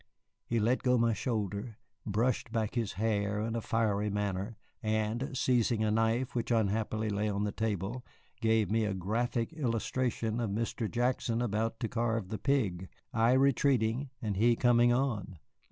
He let go my shoulder, brushed back his hair in a fiery manner, and, seizing a knife which unhappily lay on the table, gave me a graphic illustration of Mr. Jackson about to carve the pig, I retreating, and he coming on.